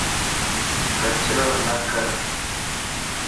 ڪچرو نه ڪر